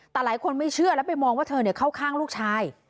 แต่หลายคนไม่เชื่อแล้วไปมองว่าเธอเข้าข้างลูกชาย